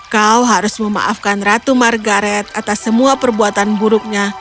kau harus memaafkan ratu margaret atas semua perbuatan buruknya